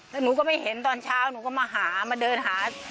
แล้วหนูก็ไม่เห็นตอนเช้าหนูก็มาหามาเดินหา